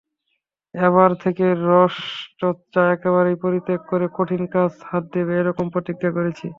এবার থেকে রসচর্চা একেবারে পরিত্যাগ করে কঠিন কাজে হাত দেব, এইরকম প্রতিজ্ঞা করেছি।